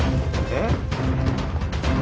えっ！？